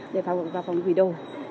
để vào phòng gửi đồ